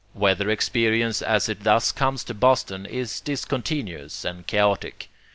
Weather experience as it thus comes to Boston, is discontinuous and chaotic.